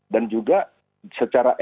dan juga secara ekonomi